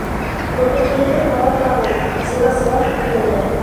Ну бит ирһеҙ бала табыу - зинасылар хөкөмөндә.